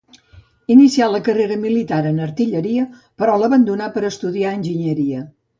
Inicià la carrera militar en l'Artilleria, però l'abandonà per a estudiar enginyeria.